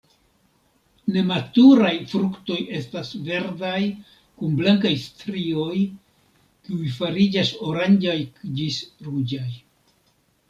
Nematuraj fruktoj estas verdaj kun blankaj strioj, kiuj fariĝas oranĝaj ĝis ruĝaj.